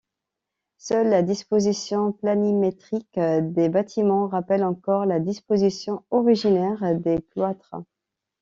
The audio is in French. Seule la disposition planimétrique des bâtiments rappelle encore la disposition originaire des cloîtres.